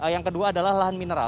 yang kedua adalah lahan mineral